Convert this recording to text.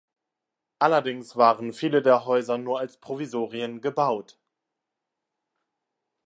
Allerdings waren viele der Häuser nur als Provisorien gebaut.